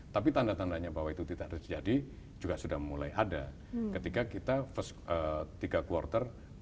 tapi tanda tandanya bahwa itu tidak terjadi juga sudah mulai ada ketika kita first tiga quarter